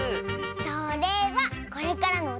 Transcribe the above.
それはこれからのおたのしみ！